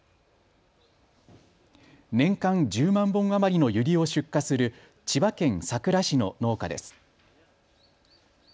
年間１０万本余りのユリを出荷する千葉県佐倉市の農家です。